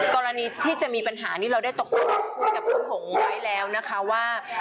กรณีที่จะมีปัญหานี้เราได้ตกลงคุยกับคุณหงษ์ไว้แล้วนะคะว่า